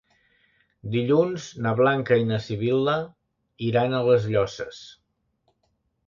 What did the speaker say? Dilluns na Blanca i na Sibil·la iran a les Llosses.